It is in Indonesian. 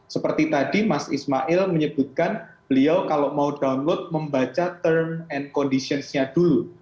seperti tadi mas ismail menyebutkan beliau kalau mau download membaca term and conditionsnya dulu